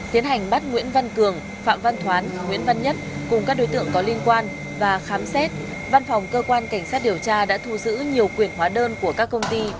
tiến hành bắt nguyễn văn cường phạm văn thoán nguyễn văn nhất cùng các đối tượng có liên quan và khám xét văn phòng cơ quan cảnh sát điều tra đã thu giữ nhiều quyền hóa đơn của các công ty và nhiều con dấu